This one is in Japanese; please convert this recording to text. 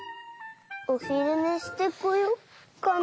おひるねしてこようかな。